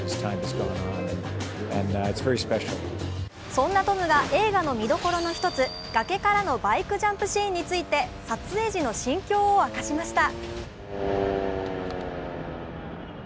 そんなトムが映画の見どころの１つ、崖からのバイクジャンプシーンについて撮影時の心境を明かしました。